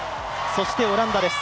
そしてオランダです。